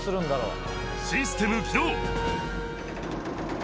システム起動。